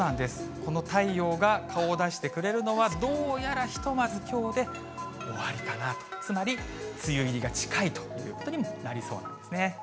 この太陽が顔を出してくれるのは、どうやらひとまずきょうで終わりかなと、つまり梅雨入りが近いということにもなりそうなんですね。